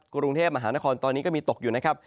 กรุงเทพมหานครตอนนี้ก็มีตกอยู่นะครับ